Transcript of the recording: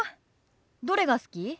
どれが好き？